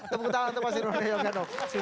tepuk tangan untuk mas dirwono yoganok